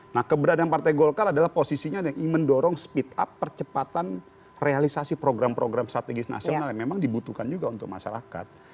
nah keberadaan partai golkar adalah posisinya yang mendorong speed up percepatan realisasi program program strategis nasional yang memang dibutuhkan juga untuk masyarakat